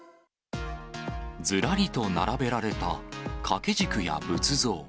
ずらりと並べられた掛け軸や仏像。